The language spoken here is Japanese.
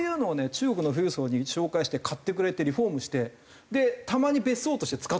中国の富裕層に紹介して買ってくれてリフォームしてたまに別荘として使ってるの。